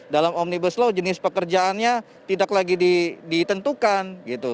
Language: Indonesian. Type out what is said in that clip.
dalam omnibus law jenis pekerjaannya tidak lagi ditentukan gitu